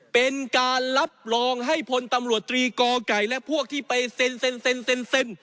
เป็นการรับรองให้พลตำรวจตรีกอไก่และพวกที่ไปเซ็น